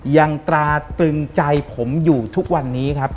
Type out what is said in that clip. ตราตรึงใจผมอยู่ทุกวันนี้ครับ